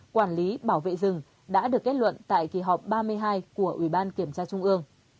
quản lý bảo vệ rừng đã được kết luận tại kỳ họp ba mươi hai của ủy ban kiểm tra trung ương